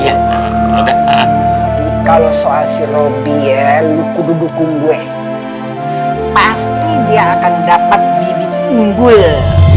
tapi kalau soal si roby ya lu kedudukung gue pasti dia akan dapat bibi tinggul